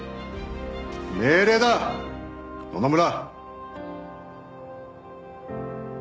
命令だ野々村！